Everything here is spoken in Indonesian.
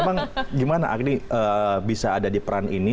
emang gimana agni bisa ada di peran ini